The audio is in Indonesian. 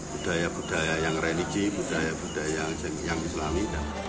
budaya budaya yang religi budaya budaya yang islami